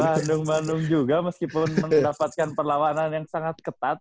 bandung bandung juga meskipun mendapatkan perlawanan yang sangat ketat